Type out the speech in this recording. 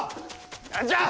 何じゃ！